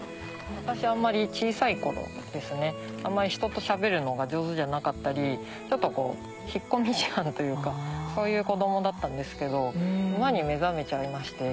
私小さい頃あまり人としゃべるのが上手じゃなかったりちょっと引っ込み思案というかそういう子供だったんですけど馬に目覚めちゃいまして。